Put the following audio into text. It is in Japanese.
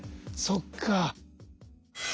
そっか。